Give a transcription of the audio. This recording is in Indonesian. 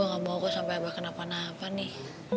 saya tidak mau sampai abah kenapa napa nih